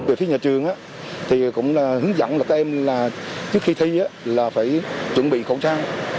về phía nhà trường thì cũng hướng dẫn các em trước khi thi là phải chuẩn bị khẩu trang